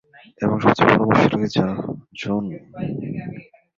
এবং সবচে বড় মুশকিল কি জোন?